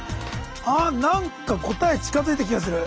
あっ何か答え近づいた気がする！